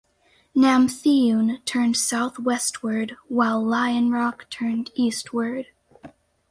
Namtheun turned southwestward while Lionrock turned eastward.